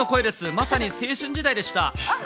まさに青春時代でした。